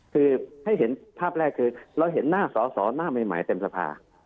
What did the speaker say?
คือให้เห็นภาพแรกคือเราเห็นหน้าสอสอหน้าใหม่เต็มสภา